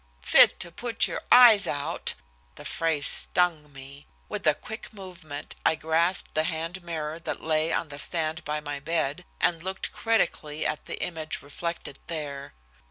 "Fit to put your eyes out!" The phrase stung me. With a quick movement, I grasped the hand mirror that lay on the stand by my bed, and looked critically at the image reflected there.